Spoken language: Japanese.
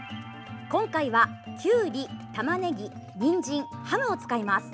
今回は、きゅうり、たまねぎにんじん、ハムを使います。